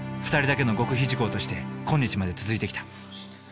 二人だけの極秘事項として今日まで続いてきた。